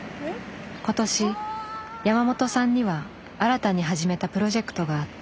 今年山本さんには新たに始めたプロジェクトがあった。